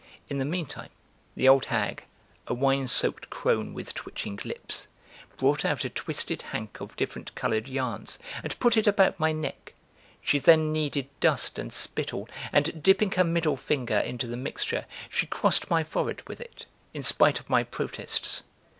In the meantime, the old hag: A wine soaked crone with twitching lips brought out a twisted hank of different colored yarns and put it about my neck; she then kneaded dust and spittle and, dipping her middle finger into the mixture, she crossed my forehead with it, in spite of my protests.